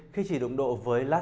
khi chỉ đụng độ với la liga